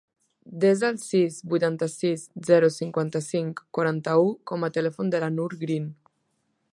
Desa el sis, vuitanta-sis, zero, cinquanta-cinc, quaranta-u com a telèfon de la Nur Green.